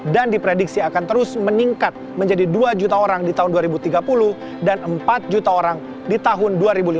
dan diprediksi akan terus meningkat menjadi dua juta orang di tahun dua ribu tiga puluh dan empat juta orang di tahun dua ribu lima puluh